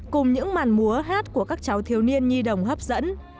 cùng những màn múa hát của các cháu thiếu niên nhi đồng hấp dẫn